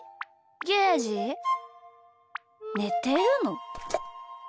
ゲージ？ねてるの？